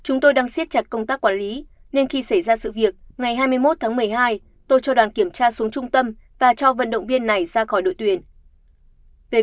chúng tôi đang siết chặt công tác quản lý nên khi xảy ra sự việc ngày hai mươi một tháng một mươi hai tôi cho đoàn kiểm tra xuống trung tâm và cho vận động viên này ra khỏi đội tuyển